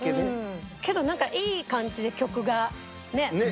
けどなんかいい感じで曲が。